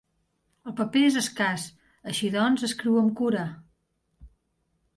El paper és escàs, així doncs escriu amb cura.